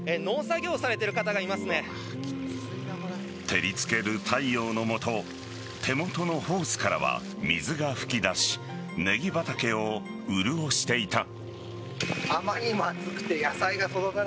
照りつける太陽の下手元のホースからは水が噴き出しネギ畑を潤していた。